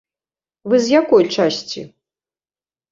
Вы з якой часці?